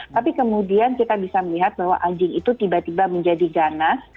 tapi kemudian kita bisa melihat bahwa anjing itu tiba tiba menjadi ganas